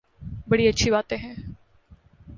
بڑی اچھی باتیں ہیں۔